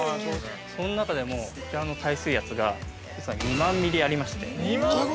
その中でも、こちらの耐水圧が２万ミリありまして。